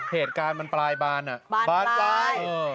เหตุการณ์มันปลายบานน่ะบานสร้อย